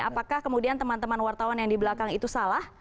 apakah kemudian teman teman wartawan yang di belakang itu salah